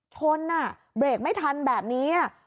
ชนอ่ะเบรกไม่ทันแบบนี้